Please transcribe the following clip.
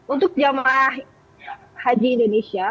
untuk jemaah haji indonesia